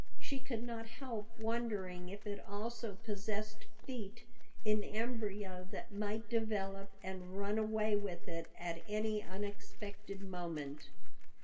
She could not help wondering if it also possessed feet in embryo that might develop and run away with it at any unexpected moment.